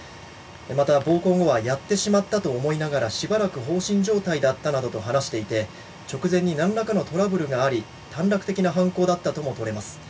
また、暴行後はやってしまったと思いながらしばらく放心状態だったなどと話していて短絡的な犯行だったとも言えます。